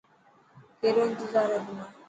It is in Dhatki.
ڪيرو انتظار هي تنا.